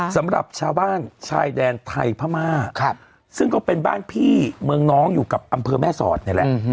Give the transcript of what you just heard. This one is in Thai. สำหรับชาวบ้านชายแดนไทยพะม่าซึ่งเขาเป็นบ้านพี่เมืองน้องให้อยู่ในนี้แหละ